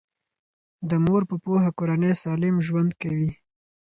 د مور په پوهه کورنۍ سالم ژوند کوي.